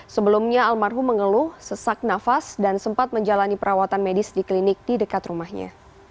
sebelumnya almarhum mengeluh sesak nafas dan sempat menjalani perawatan medis di klinik di dekat rumahnya